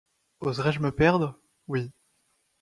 Oserai-je me perdre ? oui.